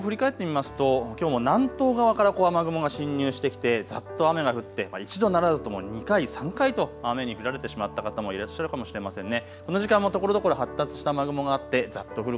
雨雲の状況を振り返ってみますと南東側から雨雲が進入してきてざっと雨が降って１度ならずとも２回３回と雨に降られてしまった方もいらっしゃるかもしれませんね。